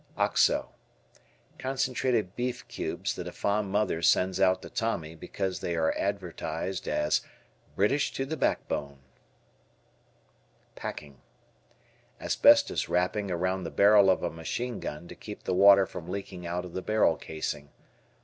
Oxo. Concentrated beef cubes that a fond mother sends out to Tommy because they are advertised as "British to the Backbone." P Packing. Asbestos wrapping around the barrel of a machine gun to keep the water from leaking out of the barrel casing.